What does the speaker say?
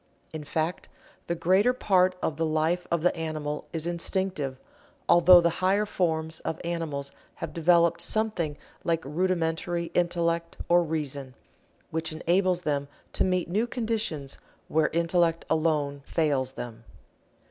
In fact, the greater part of the life of the animal is instinctive although the higher forms of animals have developed something like rudimentary Intellect or Reason, which enables them to meet new conditions where Intellect alone fails them.